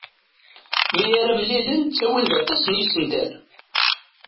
Mi ara mlilen ttawin-d aṭas n yisental.